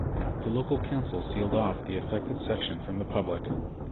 The local council sealed off the affected section from the public.